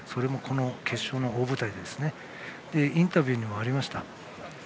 決勝の大舞台でインタビューにもありました